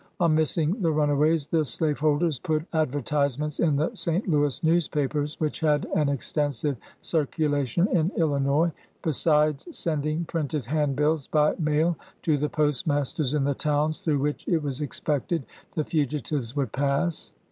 On missing the runaways, the slaveholders put advertisements in the St. Louis news papers, which had an extensive circulation in Illinois, besides sending printed handbills, by mail, to the post masters in the towns through which it was expected the fugitives would pass.